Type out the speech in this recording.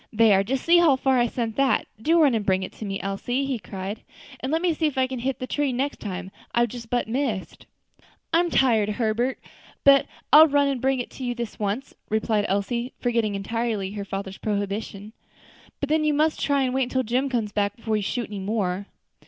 "There! just see how far I sent that! do run and bring it to me, Elsie!" he cried, "and let me see if I can't hit that tree next time; I've but just missed it." "I'm tired, Herbert; but I'll run and bring it to you this once," replied Elsie, forgetting entirely her father's prohibition; "but then you must try to wait until Jim comes back before you shoot any more."